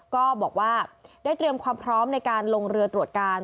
ก็บอกว่าได้เตรียมความพร้อมในการลงเรือตรวจการ